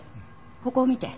ここを見て。